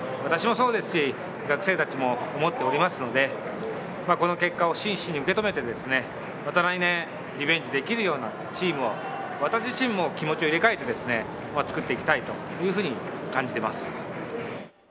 私もそうですし、学生たちも思っておりますので、この結果を真摯に受け止めて、来年、リベンジできるようなチームを私自身も気持ちを入れ替えて作っていきたいと感じています。